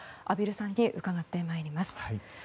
畔蒜さんに伺ってまいります。